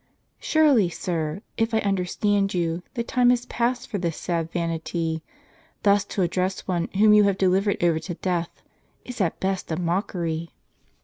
" Surely, sir, if I understand you, the time is past for this sad vanity. Thus to address one whom you have delivered over to death, is at best a mockery."